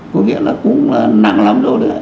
có nghĩa là cũng là nặng lắm rồi